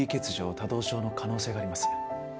・多動症の可能性があります。